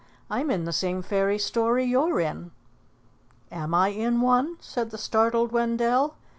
"I'm in the same fairy story you're in." "Am I in one?" said the startled Wendell.